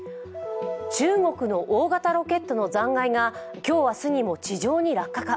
中国の大型ロケットの残骸が今日、明日にも地球落下か？